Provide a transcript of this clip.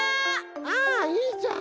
ああいいじゃん。